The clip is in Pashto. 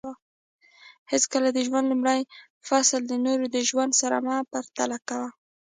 حیڅکله د خپل ژوند لومړی فصل د نورو د ژوند سره مه پرتله کوه